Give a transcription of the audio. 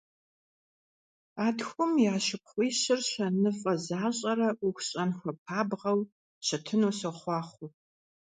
А тхум и шыпхъуищыр щэныфӀэ защӀэрэ Ӏуэху щӀэн хуэпабгъэу щытыну сохъуахъуэ!